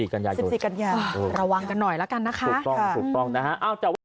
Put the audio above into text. ๑๔กัญญาโยนรัววางกันหน่อยละกันนะฮะถูกต้องนะฮะ